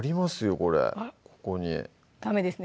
これここにダメですね